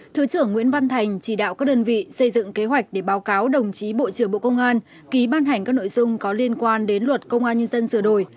thứ trưởng nguyễn văn thành chỉ đạo các đơn vị xây dựng kế hoạch để báo cáo đồng chí bộ trưởng bộ công an ký ban hành các nội dung có liên quan đến luật công an nhân dân sửa đổi